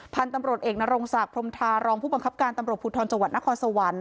พันธุ์ตำรวจเอกนรงศักดิ์พรมทารองผู้บังคับการตำรวจภูทรจังหวัดนครสวรรค์